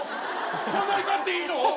こんなに勝っていいの？